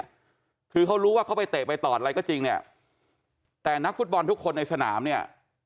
คือเขารู้ว่าเขาไปเตะไปตอดอะไรก็จริงเนี่ยแต่นักฟุตบอลทุกคนในสนามเนี่ย